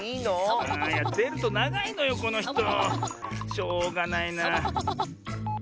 しょうがないな。